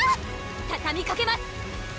たたみかけます！